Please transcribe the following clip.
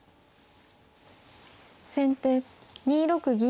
先手２六銀。